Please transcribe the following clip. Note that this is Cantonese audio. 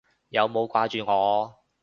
有冇掛住我？